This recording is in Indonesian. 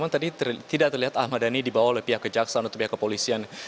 setelah ahmad dhani dibawa oleh pihak kejaksaan atau pihak kepolisian